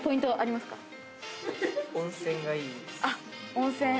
温泉。